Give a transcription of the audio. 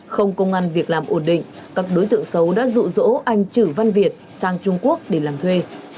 không công an việc làm ổn định các đối tượng xấu đã rụ rỗ anh chử văn việt sang trung quốc để làm thuê